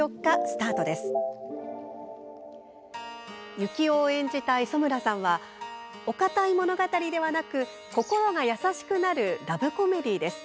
ユキオを演じた磯村さんはお堅い物語ではなく心が優しくなるラブコメディーです。